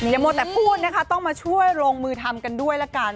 อย่ามัวแต่พูดนะคะต้องมาช่วยลงมือทำกันด้วยละกัน